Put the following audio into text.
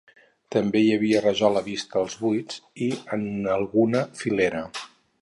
També hi havia rajola vista als buits i en alguna filera.